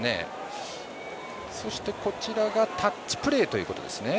そしてタッチプレーということですね。